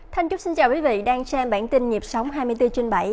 thanh chúc xin chào quý vị đang xem bản tin nhịp sống hai mươi bốn trên bảy